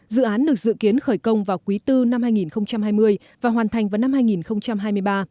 dự án được dự kiến khởi công vào quý bốn năm hai nghìn hai mươi và hoàn thành vào năm hai nghìn hai mươi ba